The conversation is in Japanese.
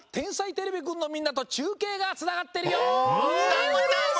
どーもどーも！